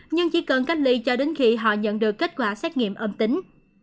nhưng chỉ cần cách ly cho đến khi họ nhận được kết quả xét nghiệm âm tính